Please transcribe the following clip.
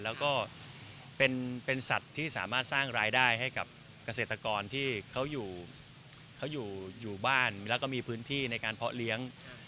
แล้วก็เป็นสัตว์ที่สามารถสร้างรายได้ให้กับเกษตรกรที่เขาอยู่บ้านแล้วก็มีพื้นที่ในการเพาะเลี้ยง